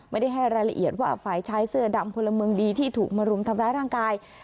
ไม่ได้ให้รายละเอียดว่าฝ่ายชายเสื้อดำพลเมืองดีที่ถูกมารุมทำร้ายร่างกาย